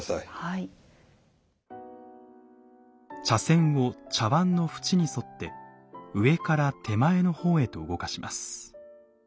茶筅を茶碗の縁に沿って上から手前の方へと動かします。